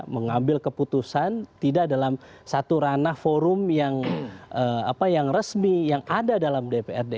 mengambil keputusan tidak dalam satu ranah forum yang resmi yang ada dalam dprd